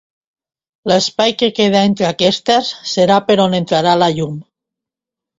L'espai que queda entre aquestes serà per on entrarà la llum.